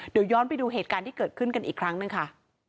เดี๋ยวย้อนไปดูเหตุการณ์ที่เกิดขึ้นกันอีกครั้งหนึ่งค่ะ